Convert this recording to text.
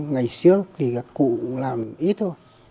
ngày xưa thì các cụ cũng làm ít thôi